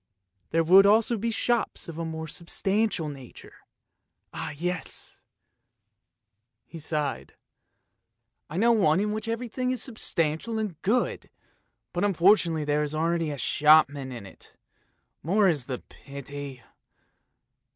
There would also be shops of a more substantial nature ! Ah, yes !" he sighed, " I know one in which everything is substantial and good, but unfortunately there is already a shopman in it, more is the pity